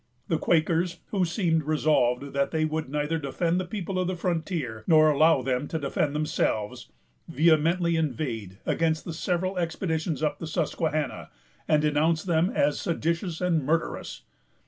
The Quakers, who seemed resolved that they would neither defend the people of the frontier nor allow them to defend themselves, vehemently inveighed against the several expeditions up the Susquehanna, and denounced them as seditious and murderous.